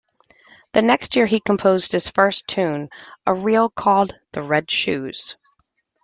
The next year he composed his first tune, a reel called "The Red Shoes".